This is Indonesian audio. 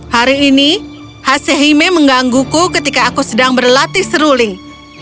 hari ini hasehime menggangguku ketika aku sedang berlatih seruling